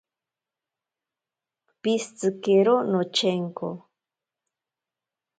Pishitsikero nochenko.